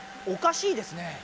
おかしいですね。